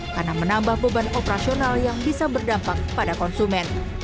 karena menambah beban operasional yang bisa berdampak pada konsumen